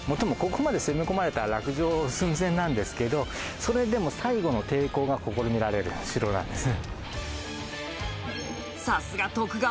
ここまで攻め込まれたら落城寸前なんですけどそれでも、最後の抵抗が、ここで見られるような城なんです。